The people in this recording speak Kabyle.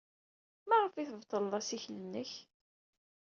Maɣef ay tbeṭled assikel-nnek?